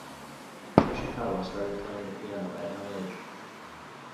Yoshikawa started playing the piano at young age.